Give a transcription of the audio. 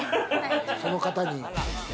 その方に。